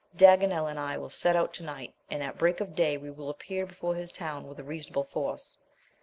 Daganel and I will set out to night, and at break of day we will appear before his town with a reasonable force.